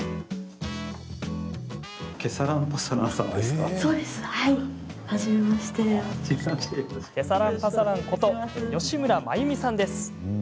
ケサランパサランこと吉村眞由美さん。